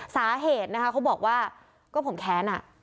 สาเหตุนะคะเขาบอกว่าก็ผมแค้นอ่ะ